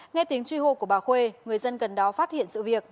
nghe tiếng truy hô của bà khuê người dân gần đó phát hiện sự việc